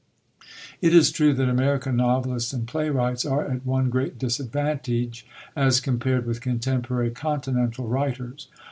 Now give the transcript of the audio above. It is true that American novelists and playwrights are at one great disadvantage as compared with contemporary Continental writers.